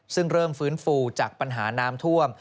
ซึ่งเริ่มฟื้นฟูจากปัญหาน้ำท่วม